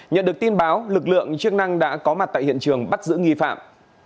nhận được tin báo lực lượng chức năng đã có mặt tại hiện trường bắt giữ nghi phạm